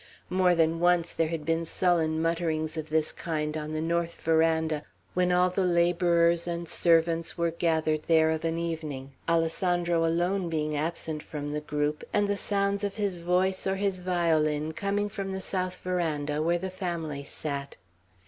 More than once there had been sullen mutterings of this kind on the north veranda, when all the laborers and servants were gathered there of an evening, Alessandro alone being absent from the group, and the sounds of his voice or his violin coming from the south veranda, where the family sat.